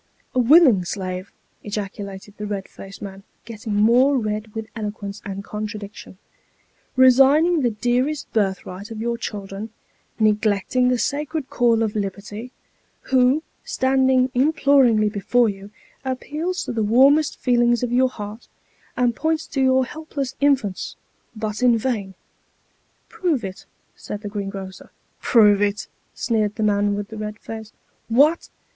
" A willing slave," ejaculated the red faced man, getting more red with eloquence, and contradiction " resigning the dearest birthright of your children neglecting the sacred call of Liberty who, standing imploringly before you, appeals to the warmest feelings of your heart, and points to your helpless infants, but in vain." " Prove it," said the greengrocer. " Prove it !" sneered the man with the red face. " What